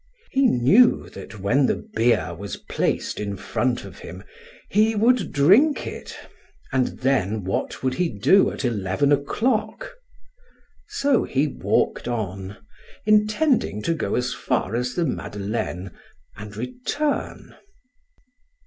He knew that when the beer was placed in front of him, he would drink it; and then what would he do at eleven o'clock? So he walked on, intending to go as far as the Madeleine and return.